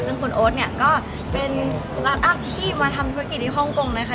ซึ่งคุณโอ๊ตเนี่ยก็เป็นสตาร์ทอัพที่มาทำธุรกิจที่ฮ่องกงนะคะ